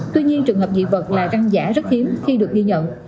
tuy nhiên trường hợp dị vật là găng giả rất hiếm khi được ghi nhận